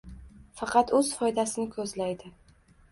Faqat o`z foydasini ko`zlaydi